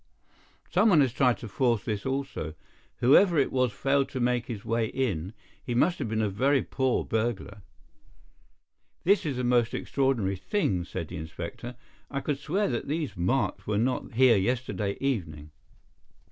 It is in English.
"Someone has tried to force this also. Whoever it was has failed to make his way in. He must have been a very poor burglar." "This is a most extraordinary thing," said the inspector, "I could swear that these marks were not here yesterday evening."